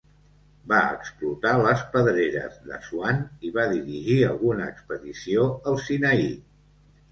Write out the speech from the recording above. Va explotar les pedreres d'Assuan i va dirigir alguna expedició al Sinaí.